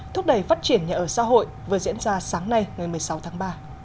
thúc đẩy phát triển nhà ở xã hội vừa diễn ra sáng nay ngày một mươi sáu tháng ba